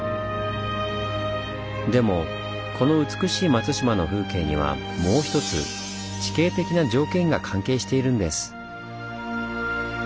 でもこの美しい松島の風景にはもうひとつ地形的な条件が関係しているんです。